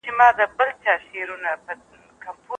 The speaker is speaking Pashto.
دا عزل دي په کوم غرض وکړ؟